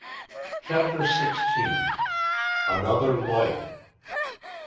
CHAPTER SIXTEEN. ANOTHER LIGHT.